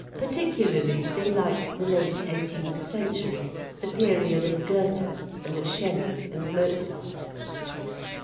Particularly they liked the late eighteenth century, the period of Goethe and of Shelley, and Mozart.